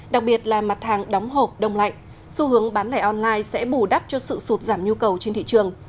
đặc biệt là mặt hàng đóng hộp đông lạnh xu hướng bán lẻ online sẽ bù đắp cho sự sụt giảm nhu cầu trên thị trường